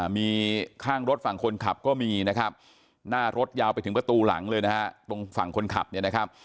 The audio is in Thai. มีข้างรถฝั่งคนขับก็มีนะครับหน้ารถยาวไปถึงประตูหลังเลยนะฮะตรงฝั่งคนขับเนี่ยนะครับ